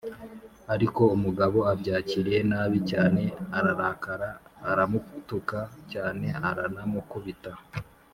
ariko umugabo abyakiriye nabi cyane, ararakara, aramutuka cyane aranamukubita.